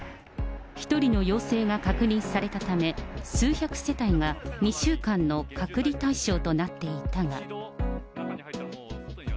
１人の陽性が確認されたため、数百世帯が２週間の隔離対象となっていたが。